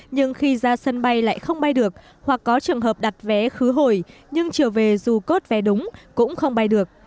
nhưng khi ra sân bay lại không bay được hoặc có trường hợp đặt vé khứ hồi nhưng trở về dù cốt vé đúng cũng không bay được